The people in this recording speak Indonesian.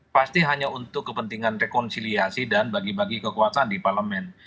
pasti hanya untuk kepentingan rekonsiliasi dan bagi bagi kekuasaan di parlemen